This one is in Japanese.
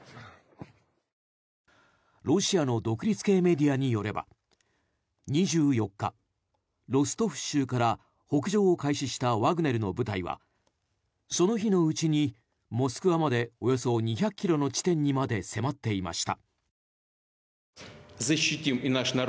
ロシアの独立系メディアによれば２４日、ロストフ州から北上を開始したワグネルの部隊はその日のうちにモスクワまでおよそ２００ｋｍの地点にまで迫っていました。